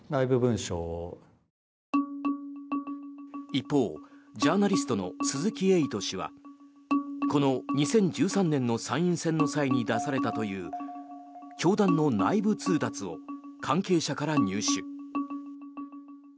一方、ジャーナリストの鈴木エイト氏はこの２０１３年の参院選の際に出されたという教団の内部通達を関係者から入手。